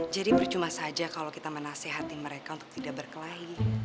jadi percuma saja kalau kita menasehati mereka untuk tidak berkelahi